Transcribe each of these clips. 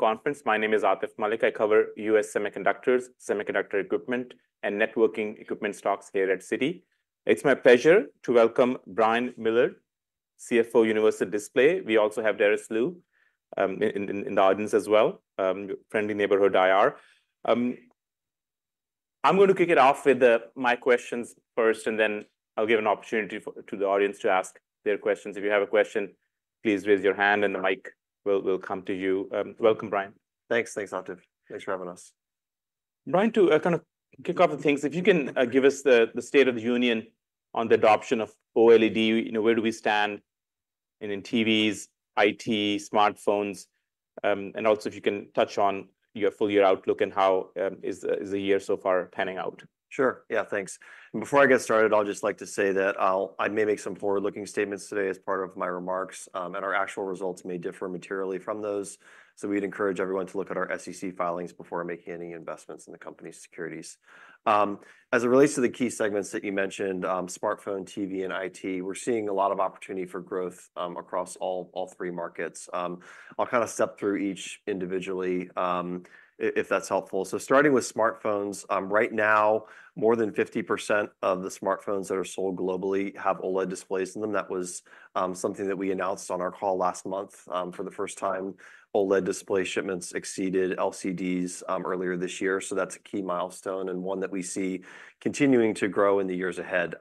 Conference. My name is Atif Malik. I cover US semiconductors, semiconductor equipment, and networking equipment stocks here at Citi. It's my pleasure to welcome Brian Miller, CFO, Universal Display. We also have Doris Lau in the audience as well, friendly neighborhood IR. I'm going to kick it off with my questions first, and then I'll give an opportunity to the audience to ask their questions. If you have a question, please raise your hand and the mic will come to you. Welcome, Brian. Thanks. Thanks, Atif. Thanks for having us. Brian, to kind of kick off the things, if you can give us the state of the union on the adoption of OLED. You know, where do we stand, and in TVs, IT, smartphones? And also if you can touch on your full year outlook and how is the year so far panning out? Sure, yeah, thanks. And before I get started, I'll just like to say that I may make some forward-looking statements today as part of my remarks, and our actual results may differ materially from those. So we'd encourage everyone to look at our SEC filings before making any investments in the company's securities. As it relates to the key segments that you mentioned, smartphone, TV, and IT, we're seeing a lot of opportunity for growth, across all three markets. I'll kind of step through each individually, if that's helpful. So starting with smartphones, right now, more than 50% of the smartphones that are sold globally have OLED displays in them. That was something that we announced on our call last month. For the first time, OLED display shipments exceeded LCDs earlier this year, so that's a key milestone, and one that we see continuing to grow in the years ahead.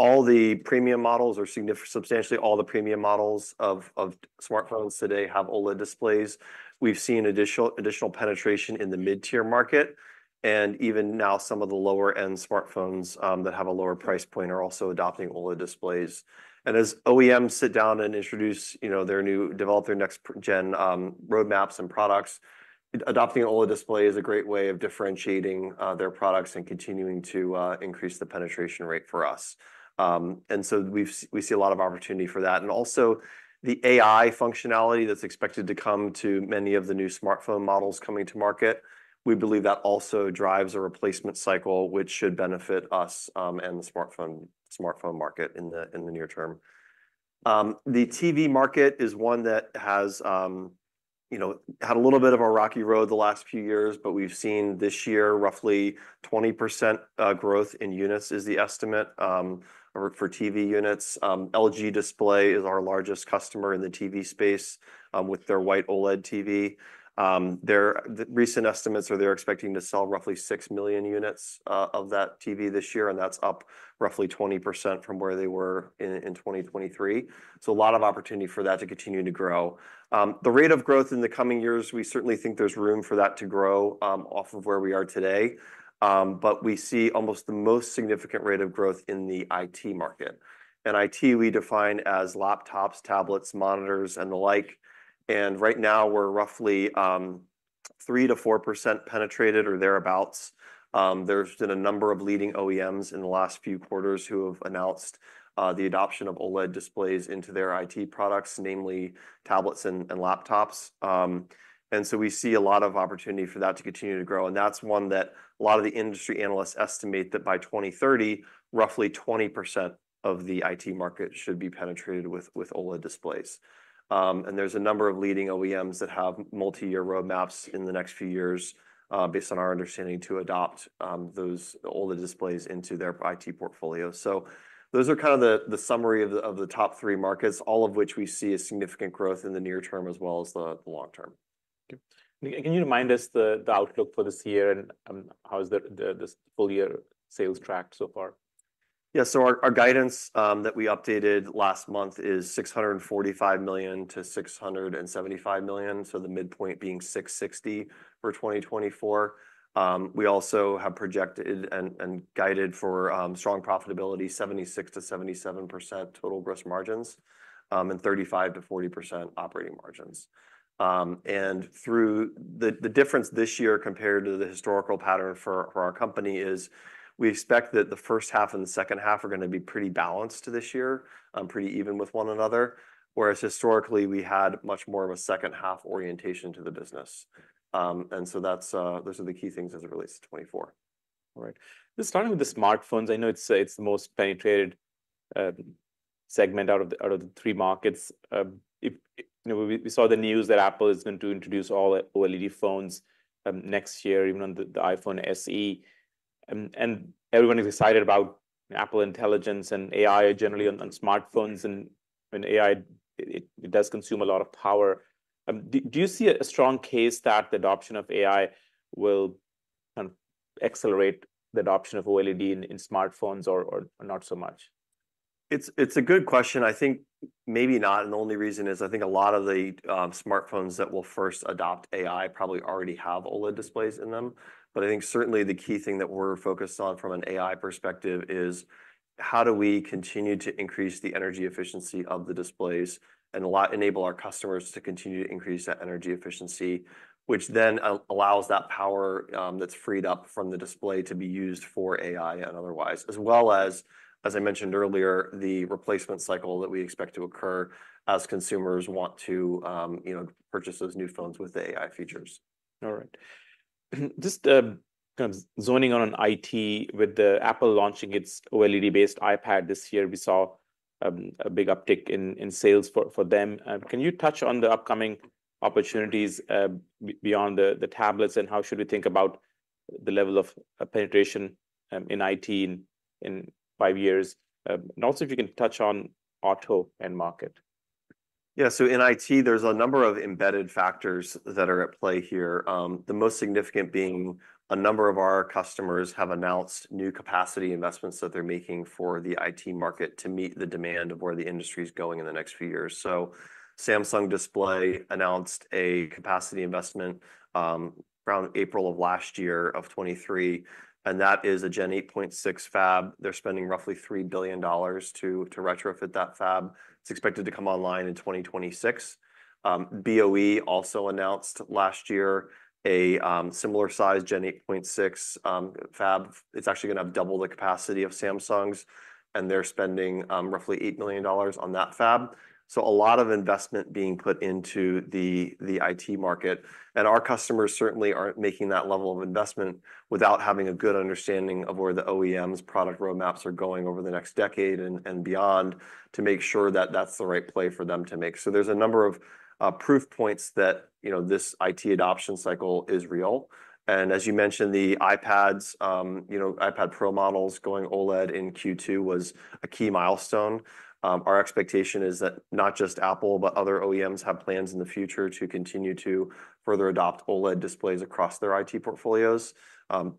All the premium models or substantially all the premium models of smartphones today have OLED displays. We've seen additional penetration in the mid-tier market, and even now, some of the lower-end smartphones that have a lower price point are also adopting OLED displays. As OEMs sit down and introduce, you know, their new develop their next-gen roadmaps and products, adopting an OLED display is a great way of differentiating their products and continuing to increase the penetration rate for us. So we see a lot of opportunity for that. And also, the AI functionality that's expected to come to many of the new smartphone models coming to market, we believe that also drives a replacement cycle, which should benefit us, and the smartphone market in the near term. The TV market is one that has, you know, had a little bit of a rocky road the last few years, but we've seen this year, roughly 20% growth in units, is the estimate, for TV units. LG Display is our largest customer in the TV space, with their white OLED TV. Their recent estimates are they're expecting to sell roughly six million units of that TV this year, and that's up roughly 20% from where they were in 2023. So a lot of opportunity for that to continue to grow. The rate of growth in the coming years, we certainly think there's room for that to grow, off of where we are today, but we see almost the most significant rate of growth in the IT market. And IT, we define as laptops, tablets, monitors, and the like, and right now we're roughly 3-4% penetrated or thereabouts. There's been a number of leading OEMs in the last few quarters who have announced the adoption of OLED displays into their IT products, namely tablets and laptops, and so we see a lot of opportunity for that to continue to grow, and that's one that a lot of the industry analysts estimate that by 2030, roughly 20% of the IT market should be penetrated with OLED displays. And there's a number of leading OEMs that have multiyear roadmaps in the next few years, based on our understanding, to adopt those OLED displays into their IT portfolio. So those are kind of the summary of the top three markets, all of which we see a significant growth in the near term, as well as the long term. Can you remind us the outlook for this year and how is this full year sales tracked so far? Yeah, so our guidance that we updated last month is $645 million-$675 million, so the midpoint being $660 million for 2024. We also have projected and guided for strong profitability, 76%-77% total gross margins, and 35%-40% operating margins. And through the difference this year compared to the historical pattern for our company is we expect that the H1 and the H2 are gonna be pretty balanced this year, pretty even with one another, whereas historically, we had much more of a H2 orientation to the business. And so that's... Those are the key things as it relates to 2024. All right. Just starting with the smartphones, I know it's the most penetrated segment out of the three markets. You know, we saw the news that Apple is going to introduce all OLED phones next year, even on the iPhone SE, and everyone is excited about Apple Intelligence and AI generally on smartphones, and AI, it does consume a lot of power. Do you see a strong case that the adoption of AI will kind of accelerate the adoption of OLED in smartphones, or not so much? It's a good question. I think maybe not, and the only reason is, I think a lot of the smartphones that will first adopt AI probably already have OLED displays in them. But I think certainly the key thing that we're focused on from an AI perspective is: how do we continue to increase the energy efficiency of the displays, and enable our customers to continue to increase that energy efficiency, which then allows that power that's freed up from the display to be used for AI and otherwise, as well as, as I mentioned earlier, the replacement cycle that we expect to occur as consumers want to, you know, purchase those new phones with the AI features. All right. Just kind of zoning on IT, with the Apple launching its OLED-based iPad this year, we saw a big uptick in sales for them. Can you touch on the upcoming opportunities beyond the tablets, and how should we think about the level of penetration in IT in five years? And also if you can touch on auto end market. Yeah, so in IT, there's a number of embedded factors that are at play here. The most significant being a number of our customers have announced new capacity investments that they're making for the IT market to meet the demand of where the industry is going in the next few years. So Samsung Display announced a capacity investment around April of last year, of 2023, and that is a Gen 8.6 fab. They're spending roughly $3 billion to retrofit that fab. It's expected to come online in 2026. BOE also announced last year a similar size Gen 8.6 fab. It's actually gonna have double the capacity of Samsung's, and they're spending roughly $8 million on that fab. So a lot of investment being put into the IT market. Our customers certainly aren't making that level of investment without having a good understanding of where the OEM's product roadmaps are going over the next decade and beyond, to make sure that that's the right play for them to make. So there's a number of proof points that, you know, this IT adoption cycle is real, and as you mentioned, the iPads, you know, iPad Pro models going OLED in Q2 was a key milestone. Our expectation is that not just Apple, but other OEMs have plans in the future to continue to further adopt OLED displays across their IT portfolios.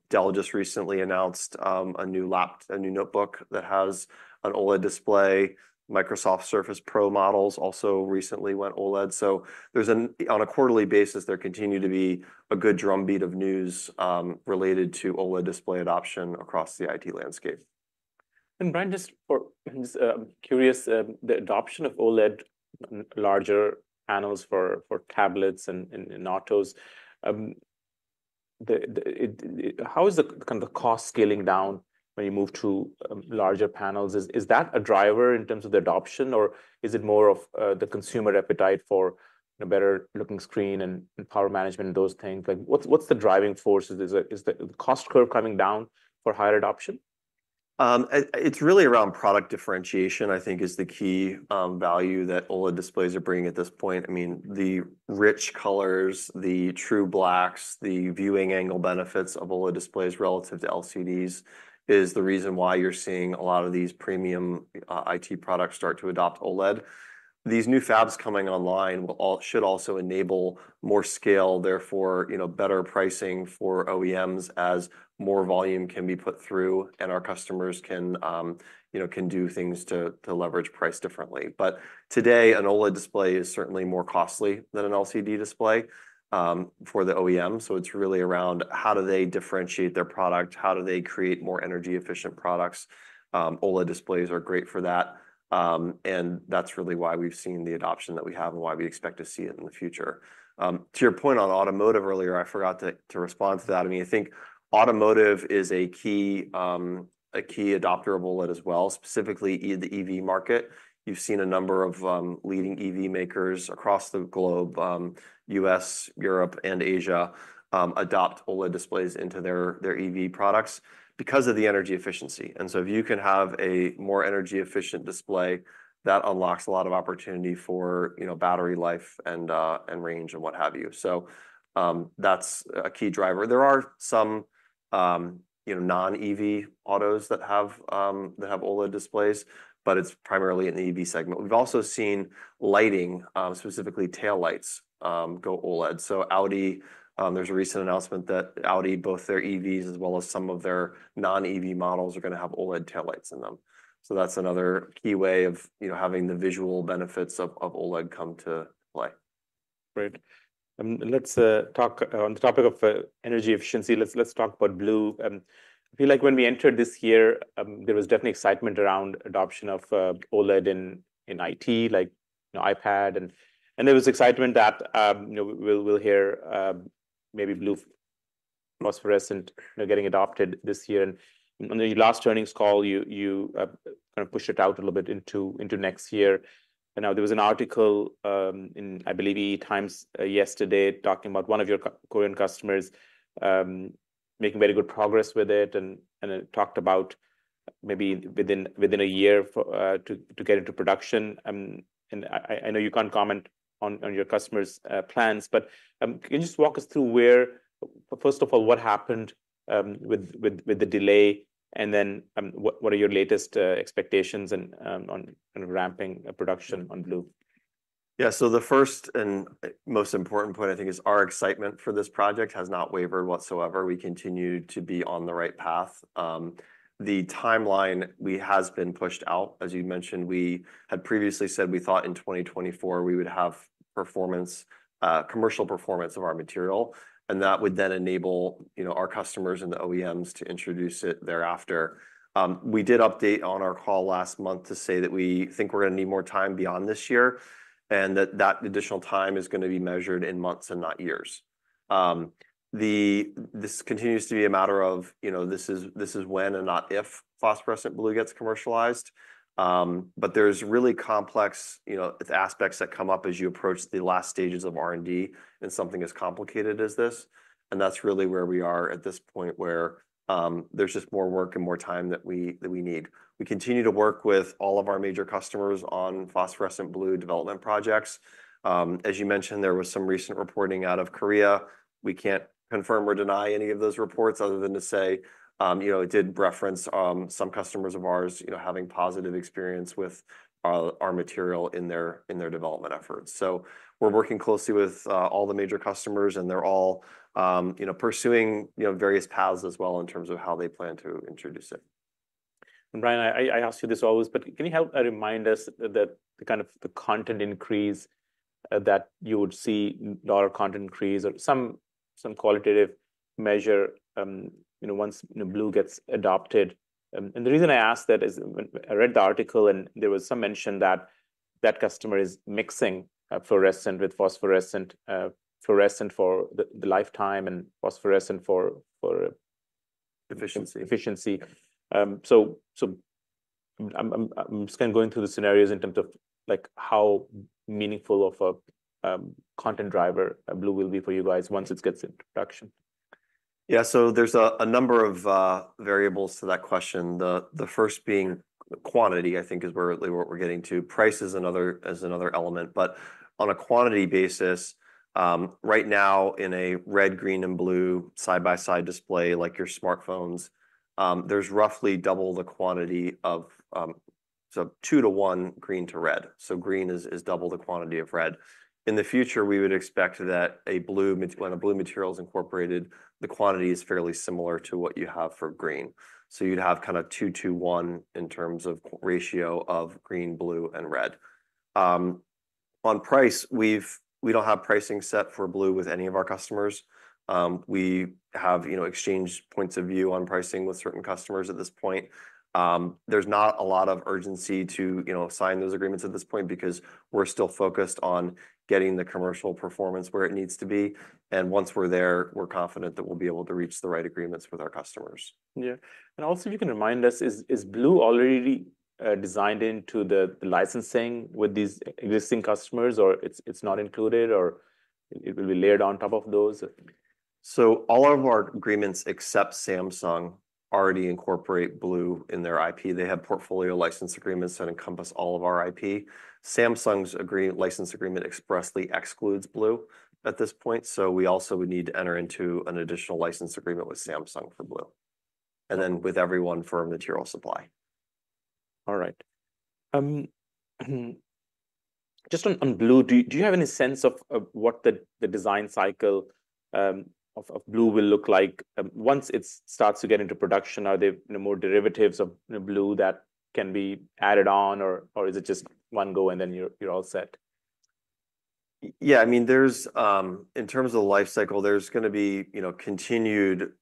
Dell just recently announced a new notebook that has an OLED display. Microsoft Surface Pro models also recently went OLED. So there's an... On a quarterly basis, there continue to be a good drumbeat of news, related to OLED display adoption across the IT landscape. And Brian, just curious, the adoption of OLED larger panels for tablets and autos. How is the kind of the cost scaling down when you move to larger panels? Is that a driver in terms of the adoption, or is it more of the consumer appetite for a better looking screen and power management and those things? Like, what's the driving force? Is it the cost curve coming down for higher adoption? It's really around product differentiation, I think, is the key value that OLED displays are bringing at this point. I mean, the rich colors, the true blacks, the viewing angle benefits of OLED displays relative to LCDs is the reason why you're seeing a lot of these premium IT products start to adopt OLED. These new fabs coming online should also enable more scale, therefore, you know, better pricing for OEMs as more volume can be put through, and our customers can, you know, do things to leverage price differently. But today, an OLED display is certainly more costly than an LCD display for the OEM. So it's really around how do they differentiate their product? How do they create more energy-efficient products? OLED displays are great for that. And that's really why we've seen the adoption that we have and why we expect to see it in the future. To your point on automotive earlier, I forgot to respond to that. I mean, I think automotive is a key adopter of OLED as well, specifically in the EV market. You've seen a number of leading EV makers across the globe, US, Europe, and Asia, adopt OLED displays into their EV products because of the energy efficiency. And so if you can have a more energy-efficient display, that unlocks a lot of opportunity for, you know, battery life and range and what have you. So that's a key driver. There are some, you know, non-EV autos that have OLED displays, but it's primarily in the EV segment. We've also seen lighting, specifically tail lights, go OLED. So Audi, there's a recent announcement that Audi, both their EVs, as well as some of their non-EV models, are gonna have OLED tail lights in them. So that's another key way of, you know, having the visual benefits of, of OLED come to play. Great. Let's talk on the topic of energy efficiency. Let's talk about blue. I feel like when we entered this year, there was definitely excitement around adoption of OLED in IT, like, you know, iPad and there was excitement that, you know, we'll hear maybe blue phosphorescent getting adopted this year. And on the last earnings call, you kind of pushed it out a little bit into next year. And now, there was an article in, I believe, Times yesterday, talking about one of your Korean customers making very good progress with it and talked about maybe within a year to get into production. And I know you can't comment on your customer's plans, but can you just walk us through where... First of all, what happened with the delay, and then what are your latest expectations and on kind of ramping production on blue? Yeah. So the first and most important point, I think, is our excitement for this project has not wavered whatsoever. We continue to be on the right path. The timeline has been pushed out. As you mentioned, we had previously said we thought in 2024 we would have performance, commercial performance of our material, and that would then enable, you know, our customers and the OEMs to introduce it thereafter. We did update on our call last month to say that we think we're gonna need more time beyond this year, and that that additional time is gonna be measured in months and not years. This continues to be a matter of, you know, this is when and not if phosphorescent blue gets commercialized. But there's really complex, you know, aspects that come up as you approach the last stages of R&D in something as complicated as this. And that's really where we are at this point, where there's just more work and more time that we need. We continue to work with all of our major customers on phosphorescent blue development projects. As you mentioned, there was some recent reporting out of Korea. We can't confirm or deny any of those reports other than to say, you know, it did reference some customers of ours, you know, having positive experience with our material in their development efforts. So we're working closely with all the major customers, and they're all, you know, pursuing, you know, various paths as well in terms of how they plan to introduce it. And Brian, I ask you this always, but can you help remind us the kind of content increase that you would see, dollar content increase or some qualitative measure, you know, once blue gets adopted? The reason I ask that is I read the article, and there was some mention that that customer is mixing fluorescent with phosphorescent. Fluorescent for the lifetime and phosphorescent for Efficiency. - efficiency. So I'm just kind of going through the scenarios in terms of, like, how meaningful of a content driver blue will be for you guys once it gets into production. Yeah, so there's a number of variables to that question. The first being quantity, I think is where what we're getting to. Price is another element. But on a quantity basis, right now, in a red, green, and blue side-by-side display, like your smartphones, there's roughly double the quantity of... So two to one, green to red, so green is double the quantity of red. In the future, we would expect that a blue, when a blue material is incorporated, the quantity is fairly similar to what you have for green. So you'd have kinda two to one in terms of ratio of green, blue, and red. On price, we don't have pricing set for blue with any of our customers. We have, you know, exchanged points of view on pricing with certain customers at this point. There's not a lot of urgency to, you know, sign those agreements at this point because we're still focused on getting the commercial performance where it needs to be, and once we're there, we're confident that we'll be able to reach the right agreements with our customers. Yeah. And also, if you can remind us, is blue already designed into the licensing with these existing customers, or it's not included, or it will be layered on top of those? So all of our agreements, except Samsung, already incorporate blue in their IP. They have portfolio license agreements that encompass all of our IP. Samsung's license agreement expressly excludes blue at this point, so we also would need to enter into an additional license agreement with Samsung for blue, and then with everyone for material supply. All right. Just on blue, do you have any sense of what the design cycle of blue will look like? Once it starts to get into production, are there, you know, more derivatives of blue that can be added on, or is it just one go, and then you're all set? Yeah, I mean, there's... In terms of the life cycle, there's gonna be, you know, continued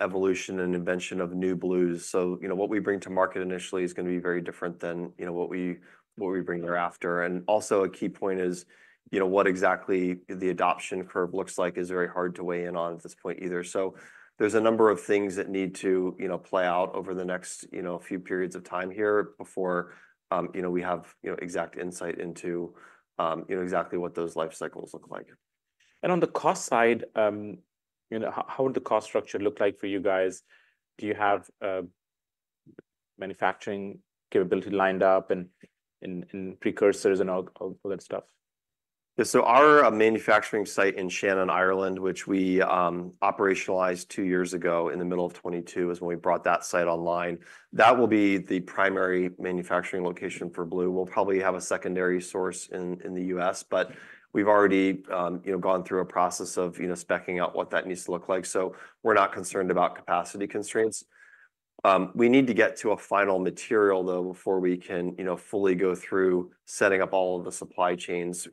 evolution and invention of new blues. So, you know, what we bring to market initially is gonna be very different than, you know, what we bring thereafter. And also, a key point is, you know, what exactly the adoption curve looks like is very hard to weigh in on at this point either. So there's a number of things that need to, you know, play out over the next, you know, few periods of time here before, you know, we have, you know, exact insight into, you know, exactly what those life cycles look like. On the cost side, you know, how would the cost structure look like for you guys? Do you have a manufacturing capability lined up and precursors and all that stuff? So our manufacturing site in Shannon, Ireland, which we operationalized two years ago, in the middle of 2022, is when we brought that site online. That will be the primary manufacturing location for blue. We'll probably have a secondary source in the US, but we've already, you know, gone through a process of, you know, speccing out what that needs to look like, so we're not concerned about capacity constraints. We need to get to a final material, though, before we can, you know, fully go through setting up all of the supply chains.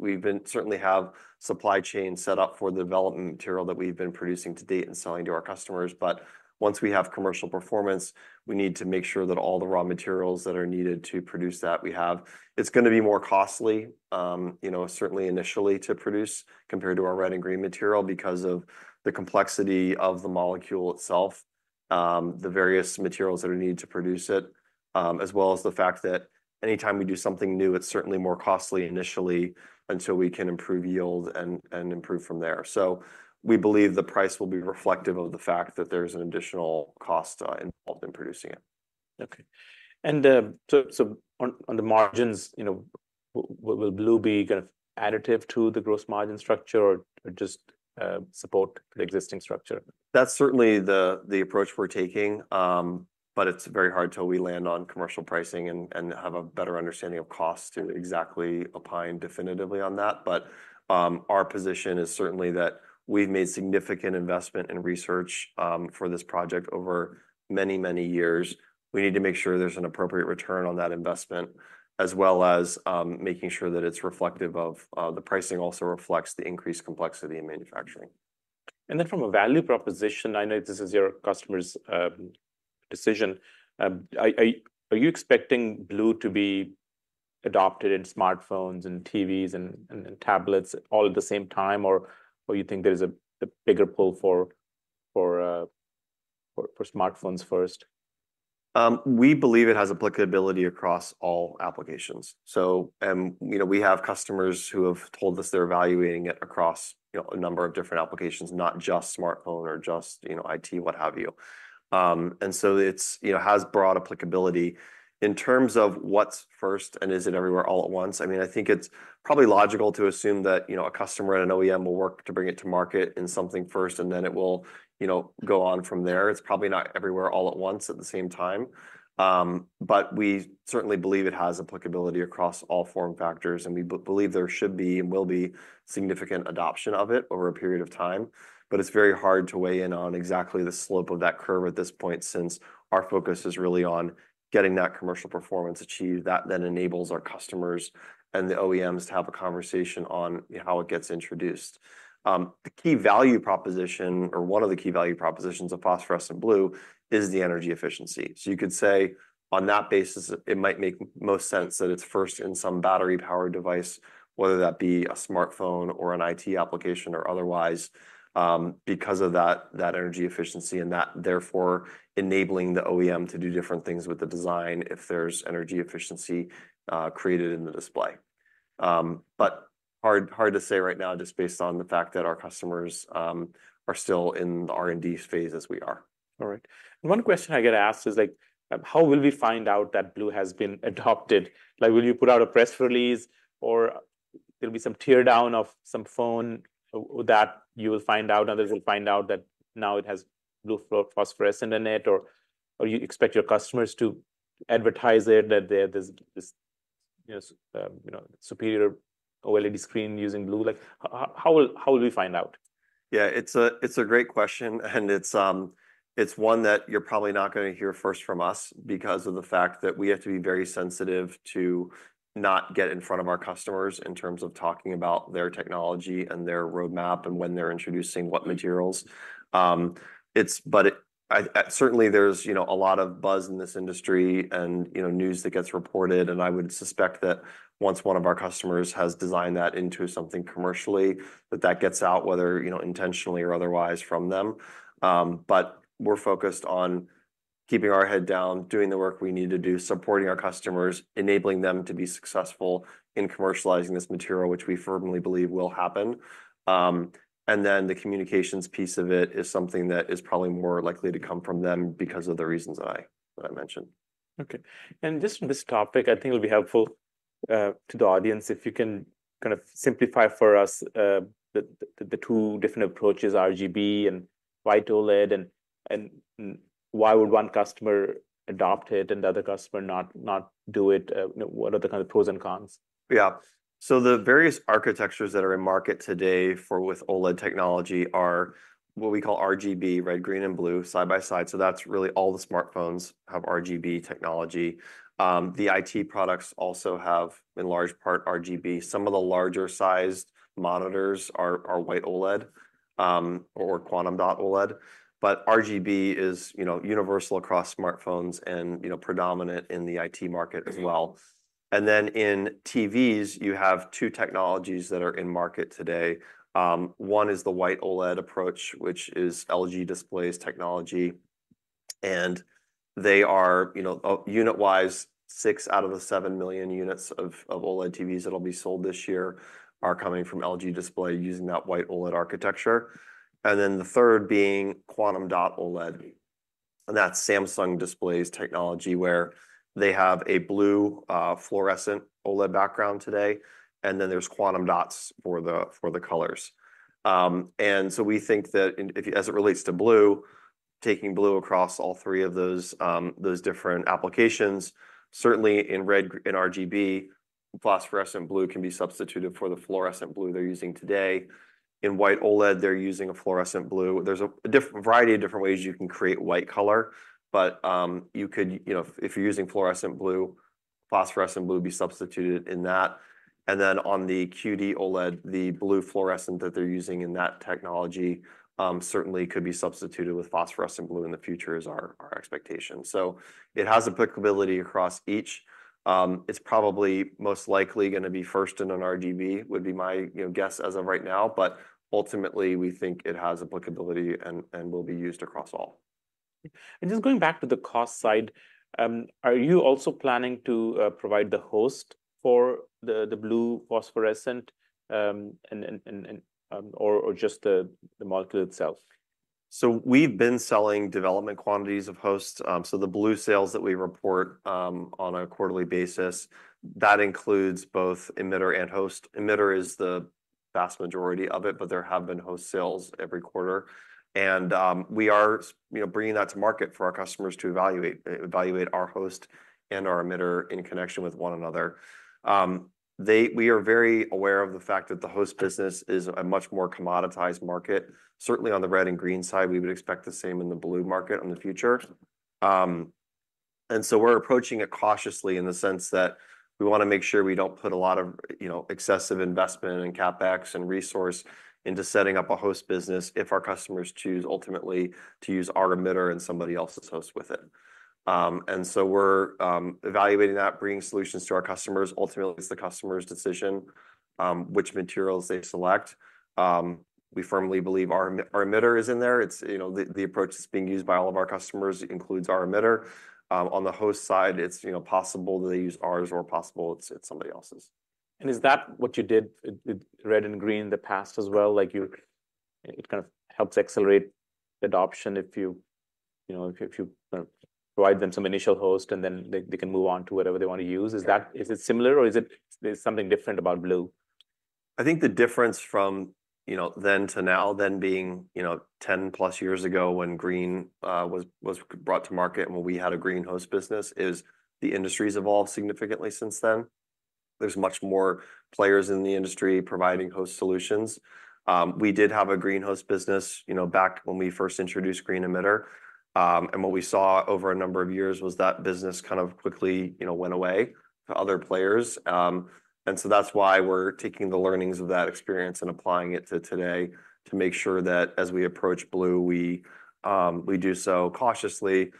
Certainly have supply chain set up for the development material that we've been producing to date and selling to our customers. But once we have commercial performance, we need to make sure that all the raw materials that are needed to produce that, we have. It's gonna be more costly, you know, certainly initially, to produce, compared to our red and green material because of the complexity of the molecule itself, the various materials that are needed to produce it, as well as the fact that anytime we do something new, it's certainly more costly initially until we can improve yield and improve from there. So we believe the price will be reflective of the fact that there's an additional cost involved in producing it. Okay. And, so on the margins, you know, will blue be kind of additive to the gross margin structure or just support the existing structure? That's certainly the approach we're taking, but it's very hard till we land on commercial pricing and have a better understanding of cost to exactly opine definitively on that. But, our position is certainly that we've made significant investment in research for this project over many, many years. We need to make sure there's an appropriate return on that investment, as well as making sure that it's reflective of the pricing also reflects the increased complexity in manufacturing. And then from a value proposition, I know this is your customer's decision, are you expecting blue to be adopted in smartphones and TVs and in tablets all at the same time, or you think there's a bigger pull for smartphones first? We believe it has applicability across all applications. So, you know, we have customers who have told us they're evaluating it across, you know, a number of different applications, not just smartphone or just, you know, IT, what have you. And so it's, you know, has broad applicability. In terms of what's first and is it everywhere all at once, I mean, I think it's probably logical to assume that, you know, a customer and an OEM will work to bring it to market in something first, and then it will, you know, go on from there. It's probably not everywhere all at once at the same time. But we certainly believe it has applicability across all form factors, and we believe there should be and will be significant adoption of it over a period of time. But it's very hard to weigh in on exactly the slope of that curve at this point, since our focus is really on getting that commercial performance achieved. That then enables our customers and the OEMs to have a conversation on, you know, how it gets introduced. The key value proposition, or one of the key value propositions of phosphorescent blue, is the energy efficiency. So you could say, on that basis, it might make most sense that it's first in some battery-powered device, whether that be a smartphone or an IT application or otherwise, because of that, that energy efficiency, and that therefore enabling the OEM to do different things with the design if there's energy efficiency created in the display. But hard, hard to say right now, just based on the fact that our customers are still in the R&D phase as we are. All right. One question I get asked is, like, "How will we find out that blue has been adopted? Like, will you put out a press release, or there'll be some teardown of some phone that you will find out, others will find out that now it has blue phosphorescent in it? Or, or you expect your customers to advertise it, that there, there's this, you know, you know, superior OLED screen using blue?" Like, how will we find out? Yeah, it's a great question, and it's one that you're probably not gonna hear first from us because of the fact that we have to be very sensitive to not get in front of our customers in terms of talking about their technology and their roadmap and when they're introducing what materials. But I certainly there's, you know, a lot of buzz in this industry and, you know, news that gets reported, and I would suspect that once one of our customers has designed that into something commercially, that that gets out, whether, you know, intentionally or otherwise from them. But we're focused on keeping our head down, doing the work we need to do, supporting our customers, enabling them to be successful in commercializing this material, which we firmly believe will happen. And then the communications piece of it is something that is probably more likely to come from them because of the reasons I mentioned. Okay. And just on this topic, I think it'll be helpful to the audience if you can kind of simplify for us the two different approaches, RGB and white OLED, and why would one customer adopt it and the other customer not do it? You know, what are the kind of pros and cons? Yeah. So the various architectures that are in market today for with OLED technology are what we call RGB, red, green, and blue, side by side. So that's really all the smartphones have RGB technology. The IT products also have, in large part, RGB. Some of the larger sized monitors are white OLED or quantum dot OLED. But RGB is, you know, universal across smartphones and, you know, predominant in the IT market as well. And then, in TVs, you have two technologies that are in market today. One is the white OLED approach, which is LG Display's technology, and they are, you know, unit-wise, six out of the seven million units of OLED TVs that'll be sold this year are coming from LG Display using that white OLED architecture. And then the third being quantum dot OLED, and that's Samsung Display's technology, where they have a blue, fluorescent OLED background today, and then there's quantum dots for the colors. And so we think that if as it relates to blue, taking blue across all three of those different applications, certainly in red, in RGB, phosphorescent blue can be substituted for the fluorescent blue they're using today. In white OLED, they're using a fluorescent blue. There's a variety of different ways you can create white color, but, you could, you know, if you're using fluorescent blue, phosphorescent blue be substituted in that. And then on the QD-OLED, the blue fluorescent that they're using in that technology, certainly could be substituted with phosphorescent blue in the future, is our expectation. So it has applicability across each. It's probably most likely gonna be first in an RGB, would be my, you know, guess as of right now, but ultimately, we think it has applicability and will be used across all. Just going back to the cost side, are you also planning to provide the host for the blue phosphorescent or just the molecule itself? So we've been selling development quantities of hosts. So the blue sales that we report on a quarterly basis, that includes both emitter and host. Emitter is the vast majority of it, but there have been host sales every quarter, and we are, you know, bringing that to market for our customers to evaluate our host and our emitter in connection with one another. We are very aware of the fact that the host business is a much more commoditized market. Certainly, on the red and green side, we would expect the same in the blue market in the future. And so we're approaching it cautiously in the sense that we want to make sure we don't put a lot of, you know, excessive investment in CapEx and resource into setting up a host business if our customers choose ultimately to use our emitter and somebody else's host with it. And so we're evaluating that, bringing solutions to our customers. Ultimately, it's the customer's decision, which materials they select. We firmly believe our emitter is in there. It's, you know, the approach that's being used by all of our customers includes our emitter. On the host side, it's, you know, possible that they use ours, or possible it's somebody else's. Is that what you did with red and green in the past as well? Like, it kind of helps accelerate adoption if you, you know, provide them some initial host, and then they can move on to whatever they want to use. Yeah. Is it similar, or is there something different about blue? I think the difference from, you know, then to now, then being, you know, ten plus years ago when green was brought to market and when we had a green host business, is the industry's evolved significantly since then. There's much more players in the industry providing host solutions. We did have a green host business, you know, back when we first introduced green emitter. And what we saw over a number of years was that business kind of quickly, you know, went away to other players. and so that's why we're taking the learnings of that experience and applying it to today, to make sure that as we approach blue, we do so cautiously,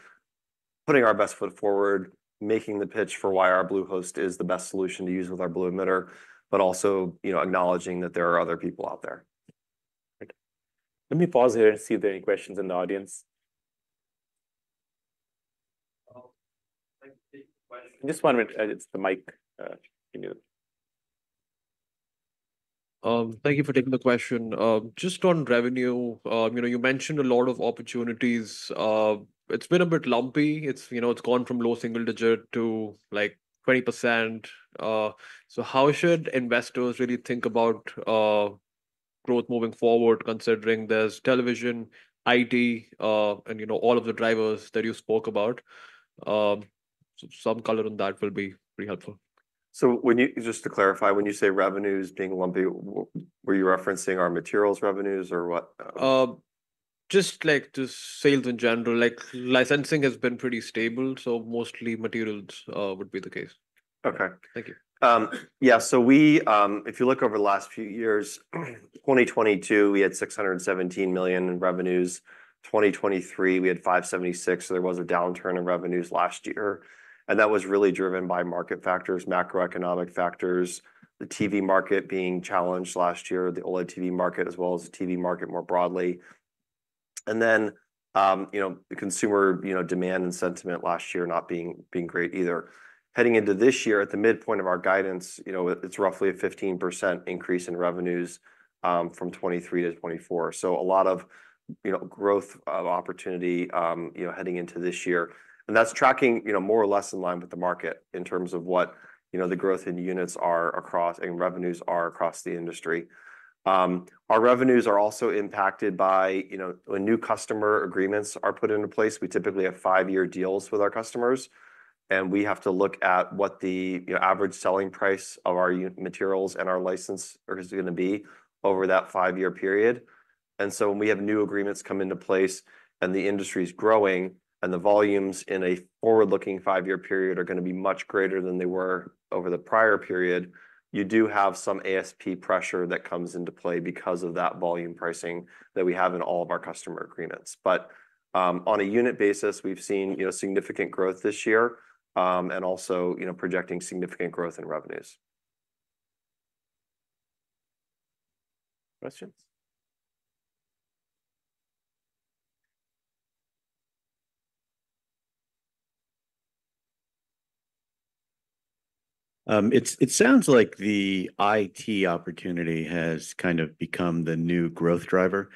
putting our best foot forward, making the pitch for why our blue host is the best solution to use with our blue emitter, but also, you know, acknowledging that there are other people out there. Okay. Let me pause here and see if there are any questions in the audience. Thank you for the question. Just one minute. It's the mic mute. Thank you for taking the question. Just on revenue, you know, you mentioned a lot of opportunities. It's been a bit lumpy. It's, you know, it's gone from low single digit to, like, 20%. So how should investors really think about growth moving forward, considering there's television, IT, and, you know, all of the drivers that you spoke about? So some color on that will be pretty helpful. Just to clarify, when you say revenues being lumpy, were you referencing our materials revenues or what? Just, like, just sales in general. Like, licensing has been pretty stable, so mostly materials, would be the case. Okay. Thank you. Yeah, so we, if you look over the last few years, 2022, we had $617 million in revenues. 2023, we had $576 million, so there was a downturn in revenues last year, and that was really driven by market factors, macroeconomic factors, the TV market being challenged last year, the OLED TV market, as well as the TV market more broadly. And then, you know, the consumer, you know, demand and sentiment last year not being great either. Heading into this year, at the midpoint of our guidance, you know, it's roughly a 15% increase in revenues, from 2023 to 2024. So a lot of, you know, growth, opportunity, you know, heading into this year. And that's tracking, you know, more or less in line with the market in terms of what, you know, the growth in units are across, and revenues are across the industry. Our revenues are also impacted by, you know, when new customer agreements are put into place. We typically have five-year deals with our customers, and we have to look at what the, you know, average selling price of our UDC materials and our license is going to be over that five-year period. And so when we have new agreements come into place, and the industry is growing, and the volumes in a forward-looking five-year period are going to be much greater than they were over the prior period, you do have some ASP pressure that comes into play because of that volume pricing that we have in all of our customer agreements. But, on a unit basis, we've seen, you know, significant growth this year, and also, you know, projecting significant growth in revenues. Questions? It sounds like the IT opportunity has kind of become the new growth driver.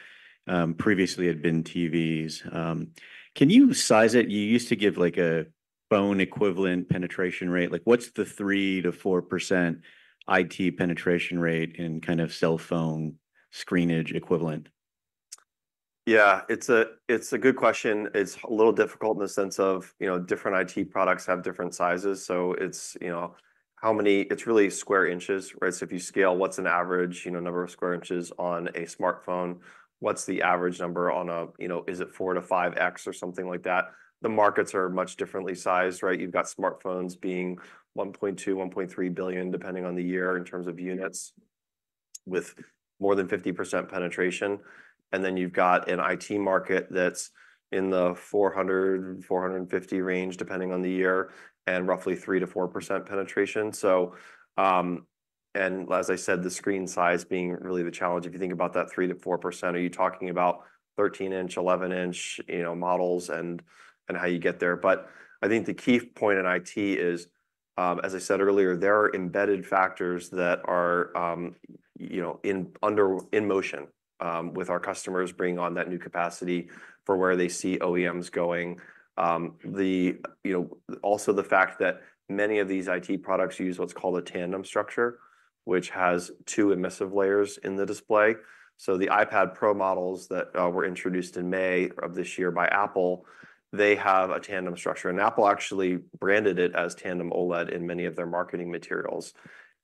Previously, it had been TVs. Can you size it? You used to give, like, a phone equivalent penetration rate. Like, what's the 3% to 4% IT penetration rate in kind of cell phone screenage equivalent? Yeah, it's a good question. It's a little difficult in the sense of, you know, different IT products have different sizes, so it's, you know, It's really square inches, right? So if you scale, what's an average, you know, number of square inches on a smartphone? What's the average number on a, you know, is it 4-5X or something like that? The markets are much differently sized, right? You've got smartphones being 1.2-1.3 billion, depending on the year, in terms of units, with more than 50% penetration, and then you've got an IT market that's in the 400-450 range, depending on the year, and roughly 3%-4% penetration. So, And as I said, the screen size being really the challenge. If you think about that 3-4%, are you talking about 13-inch, 11-inch, you know, models and, and how you get there? But I think the key point in IT is as I said earlier, there are embedded factors that are, you know, in motion, with our customers bringing on that new capacity for where they see OEMs going. You know, also the fact that many of these IT products use what's called a tandem structure, which has two emissive layers in the display. So the iPad Pro models that were introduced in May of this year by Apple, they have a tandem structure, and Apple actually branded it as tandem OLED in many of their marketing materials.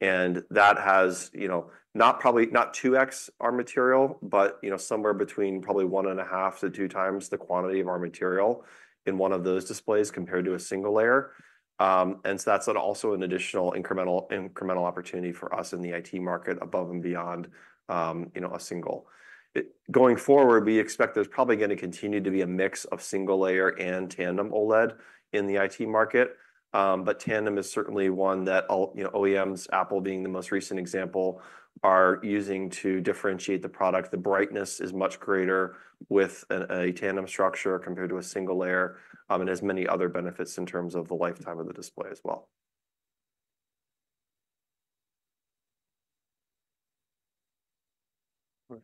And that has, you know, not probably, not two X our material, but, you know, somewhere between probably one and a half to two times the quantity of our material in one of those displays, compared to a single layer. And so that's also an additional incremental opportunity for us in the IT market, above and beyond, you know, a single. Going forward, we expect there's probably going to continue to be a mix of single-layer and tandem OLED in the IT market. But tandem is certainly one that all, you know, OEMs, Apple being the most recent example, are using to differentiate the product. The brightness is much greater with a tandem structure compared to a single layer, and has many other benefits in terms of the lifetime of the display as well. Right.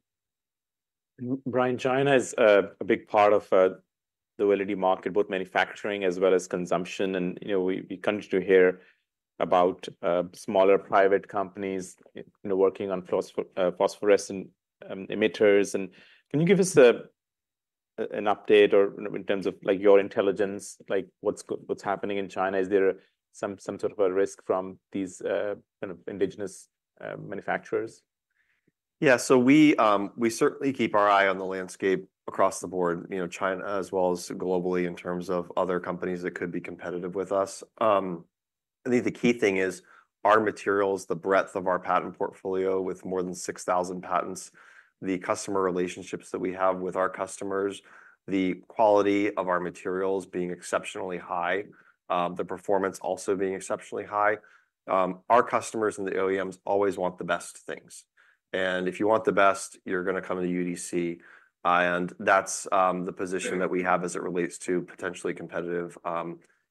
Brian, China is a big part of the OLED market, both manufacturing as well as consumption. And, you know, we continue to hear about smaller private companies, you know, working on phosphorescent emitters. And can you give us an update or in terms of, like, your intelligence, like, what's happening in China? Is there some sort of a risk from these kind of indigenous manufacturers? Yeah, so we certainly keep our eye on the landscape across the board, you know, China, as well as globally, in terms of other companies that could be competitive with us. I think the key thing is our materials, the breadth of our patent portfolio, with more than 6,000 patents, the customer relationships that we have with our customers, the quality of our materials being exceptionally high, the performance also being exceptionally high. Our customers and the OEMs always want the best things, and if you want the best, you're gonna come to UDC, and that's the position that we have as it relates to potentially competitive,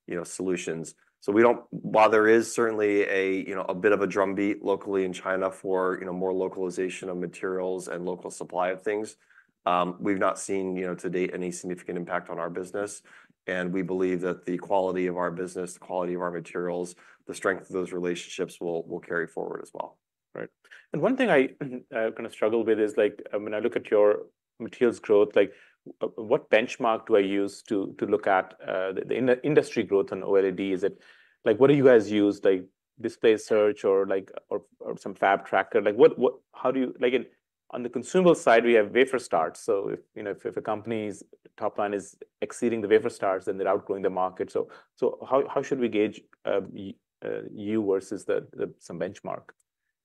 you know, solutions. While there is certainly a, you know, a bit of a drumbeat locally in China for, you know, more localization of materials and local supply of things, we've not seen, you know, to date, any significant impact on our business. And we believe that the quality of our business, the quality of our materials, the strength of those relationships will carry forward as well. Right. And one thing I kind of struggle with is, like, when I look at your materials growth, like, what benchmark do I use to look at the industry growth on OLED? Is it like what do you guys use, like, or some fab tracker? Like, what, how do you like, in on the consumable side, we have wafer starts, so if, you know, if a company's top line is exceeding the wafer starts, then they're outgrowing the market. So how should we gauge you versus some benchmark?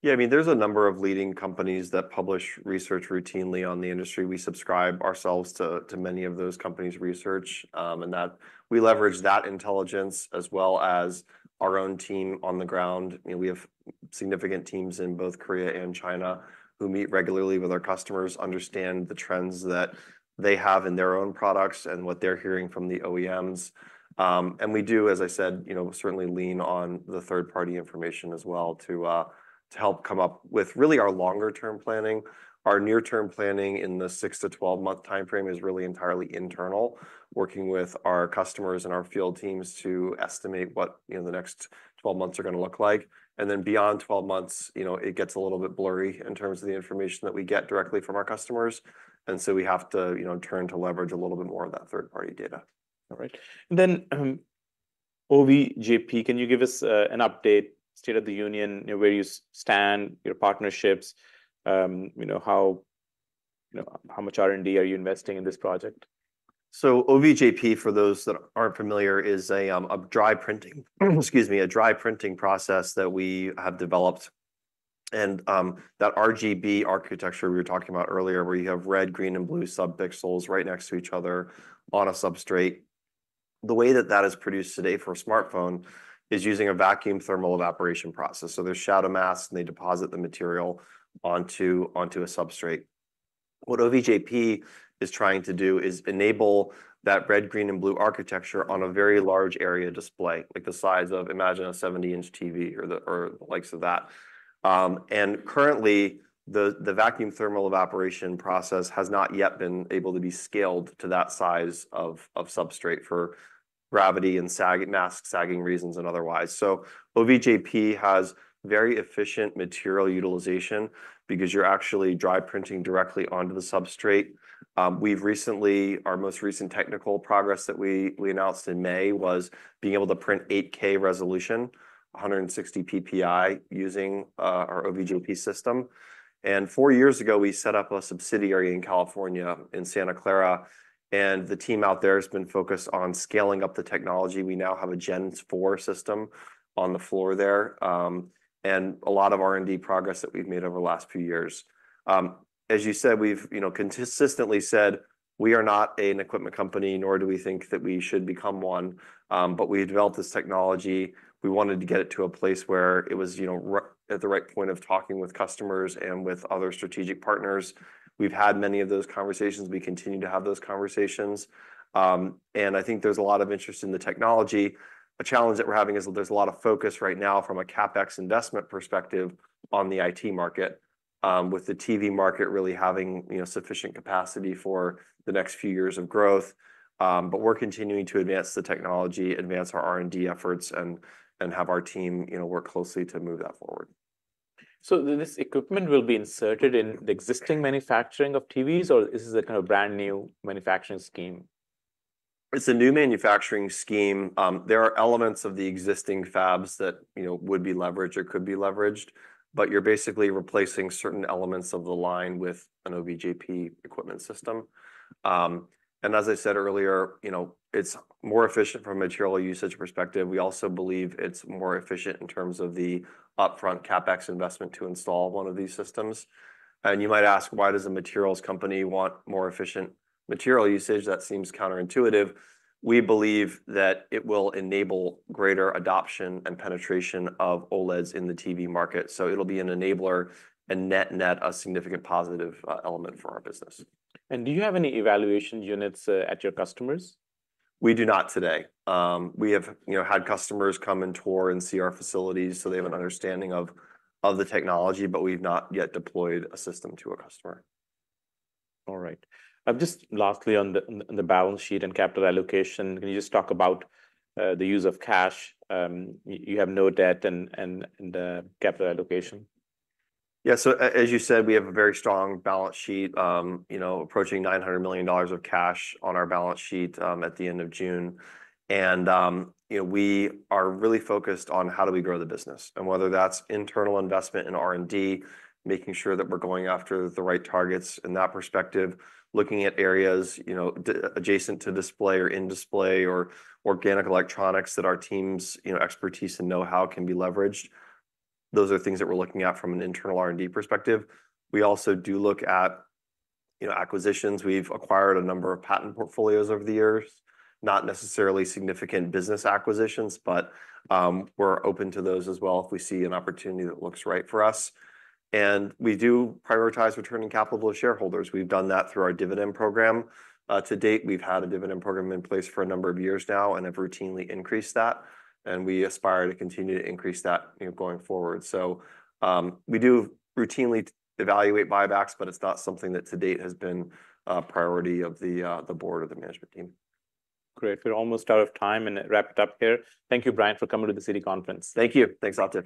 Yeah, I mean, there's a number of leading companies that publish research routinely on the industry. We subscribe ourselves to many of those companies' research, and that we leverage that intelligence as well as our own team on the ground. You know, we have significant teams in both Korea and China who meet regularly with our customers, understand the trends that they have in their own products, and what they're hearing from the OEMs. And we do, as I said, you know, certainly lean on the third-party information as well to help come up with really our longer term planning. Our near-term planning in the six to 12-month timeframe is really entirely internal, working with our customers and our field teams to estimate what, you know, the next 12 months are gonna look like. Then, beyond twelve months, you know, it gets a little bit blurry in terms of the information that we get directly from our customers, and so we have to, you know, turn to leverage a little bit more of that third-party data. All right. And then, OVJP, can you give us an update, state of the union, you know, where you stand, your partnerships? You know, how much R&D are you investing in this project? OVJP, for those that aren't familiar, is a dry printing process that we have developed. That RGB architecture we were talking about earlier, where you have red, green, and blue sub-pixels right next to each other on a substrate, the way that that is produced today for a smartphone is using a vacuum thermal evaporation process. There's shadow masks, and they deposit the material onto a substrate. What OVJP is trying to do is enable that red, green, and blue architecture on a very large area display, like the size of, imagine a seventy-inch TV or the likes of that. Currently, the vacuum thermal evaporation process has not yet been able to be scaled to that size of substrate for gravity and sagging, mask sagging reasons and otherwise. OVJP has very efficient material utilization because you're actually dry printing directly onto the substrate. We've recently. Our most recent technical progress that we announced in May was being able to print 8K resolution, 160 ppi, using our OVJP system. Four years ago, we set up a subsidiary in California, in Santa Clara, and the team out there has been focused on scaling up the technology. We now have a Gen 4 system on the floor there, and a lot of R&D progress that we've made over the last few years. As you said, we've, you know, consistently said, we are not an equipment company, nor do we think that we should become one, but we developed this technology. We wanted to get it to a place where it was, you know, at the right point of talking with customers and with other strategic partners. We've had many of those conversations. We continue to have those conversations, and I think there's a lot of interest in the technology. A challenge that we're having is that there's a lot of focus right now from a CapEx investment perspective on the IT market, with the TV market really having, you know, sufficient capacity for the next few years of growth, but we're continuing to advance the technology, advance our R&D efforts, and have our team, you know, work closely to move that forward. This equipment will be inserted in the existing manufacturing of TVs, or is this a kind of brand-new manufacturing scheme? It's a new manufacturing scheme. There are elements of the existing fabs that, you know, would be leveraged or could be leveraged, but you're basically replacing certain elements of the line with an OVJP equipment system. And as I said earlier, you know, it's more efficient from a material usage perspective. We also believe it's more efficient in terms of the upfront CapEx investment to install one of these systems. And you might ask, why does a materials company want more efficient material usage? That seems counterintuitive. We believe that it will enable greater adoption and penetration of OLEDs in the TV market, so it'll be an enabler and net, net, a significant positive element for our business. Do you have any evaluation units at your customers? We do not today. We have, you know, had customers come and tour and see our facilities, so they have an understanding of the technology, but we've not yet deployed a system to a customer. All right. Just lastly, on the balance sheet and capital allocation, can you just talk about the use of cash? You have no debt and capital allocation. Yeah, so as you said, we have a very strong balance sheet, you know, approaching $900 million of cash on our balance sheet, at the end of June. And, you know, we are really focused on how do we grow the business, and whether that's internal investment in R&D, making sure that we're going after the right targets in that perspective, looking at areas, you know, adjacent to display or in display, or organic electronics that our team's, you know, expertise and know-how can be leveraged. Those are things that we're looking at from an internal R&D perspective. We also do look at, you know, acquisitions. We've acquired a number of patent portfolios over the years, not necessarily significant business acquisitions, but, we're open to those as well if we see an opportunity that looks right for us. We do prioritize returning capital to shareholders. We've done that through our dividend program. To date, we've had a dividend program in place for a number of years now and have routinely increased that, and we aspire to continue to increase that, you know, going forward. We do routinely evaluate buybacks, but it's not something that to date has been a priority of the board or the management team. Great. We're almost out of time, and wrap it up here. Thank you, Brian, for coming to the Citi Conference. Thank you. Thanks, Atif.